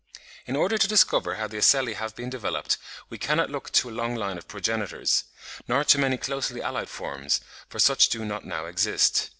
In order to discover how the ocelli have been developed, we cannot look to a long line of progenitors, nor to many closely allied forms, for such do not now exist.